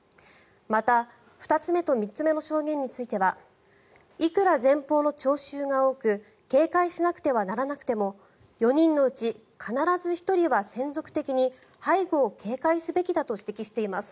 また、２つ目と３つ目の証言についてはいくら前方の聴衆が多く警戒しなくてはならなくても４人のうち必ず１人は専属的に背後を警戒すべきだと指摘しています。